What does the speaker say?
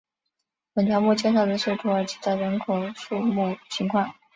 本条目介绍的是土耳其的人口数目情况。